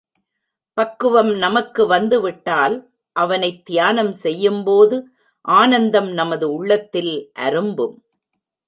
பக்குவம் நமக்கு வந்து விட்டால் அவனைத் தியானம் செய்யும்போது ஆனந்தம் நமது உள்ளத்தில் அரும்பும்.